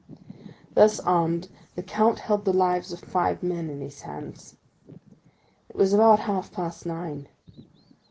Thus armed, the count held the lives of five men in his hands. It was about half past nine.